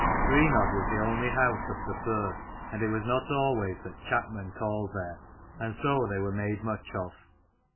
Greenodd was the only house up the firth, and it was not always that chapmen called there ; and so they were made much of.